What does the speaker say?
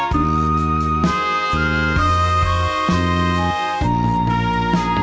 ด้านล่างนี่